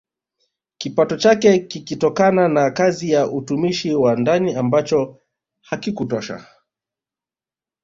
Kipato chake kikitokana na kazi ya utumishi wa ndani ambacho hakikutosha